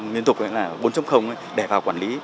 nguyên tục là bốn